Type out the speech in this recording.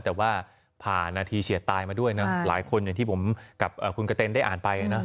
แต่ว่าผ่านนาทีเฉียดตายมาด้วยนะหลายคนอย่างที่ผมกับคุณกระเต้นได้อ่านไปนะ